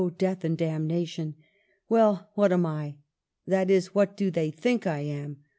death and damnation ! Well, what am I ? that is, what do they think I am?